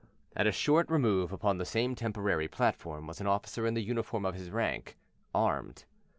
At a short remove upon the same temporary platform was an officer in the uniform of his rank, armed.